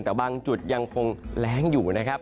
แต่บางจุดยังคงแรงอยู่นะครับ